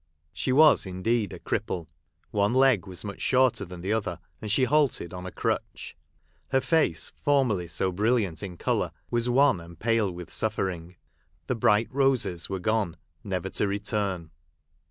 She was indeed a cripple : one leg was much shorter than the other, and she halted on a crutch. Her face, formerly so brilliant in colour, was wan and pale with suffering : the bright roses were gone, never to return.